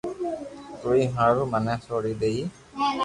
تو اي ھارو مني سوڙي ديئي